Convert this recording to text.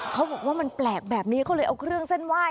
เขาบอกว่ามันแปลกแบบนี้เขาเลยเอาเครื่องเส้นไหว้